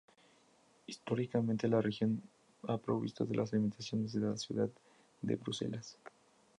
Históricamente, la región ha provisto de alimentos a la ciudad de Bruselas.